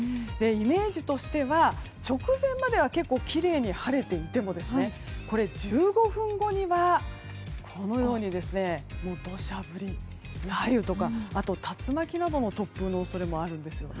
イメージとしては直前までは結構きれいに晴れていても１５分後にはこのように土砂降り、雷雨とかあと、竜巻などの突風の恐れもあるんです。